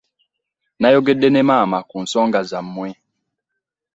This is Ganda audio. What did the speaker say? Nayogedde ne maama ku nsonga zammwe.